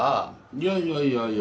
いやいやいやいや。